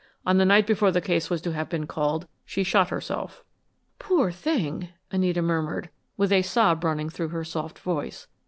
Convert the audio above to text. On the night before the case was to have been called, she shot herself." "Poor thing!" Anita murmured, with a sob running through her soft voice.